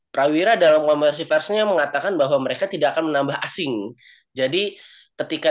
perawiran dalam komposisi versinya mengatakan bahwa mereka tidak akan menambah asing jadi ketika